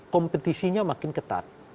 kompetisinya makin ketat